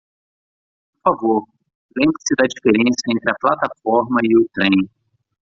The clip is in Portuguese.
Por favor, lembre-se da diferença entre a plataforma e o trem.